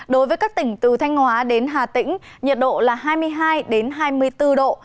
đối với các tỉnh từ thanh hóa đến hà tĩnh nhiệt độ là hai mươi hai hai mươi bốn độ